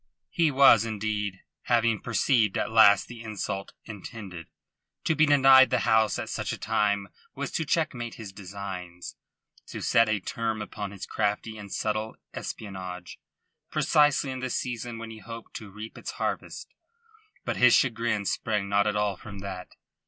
He was indeed, having perceived at last the insult intended. To be denied the house at such a time was to checkmate his designs, to set a term upon his crafty and subtle espionage, precisely in the season when he hoped to reap its harvest. But his chagrin sprang not at all from that.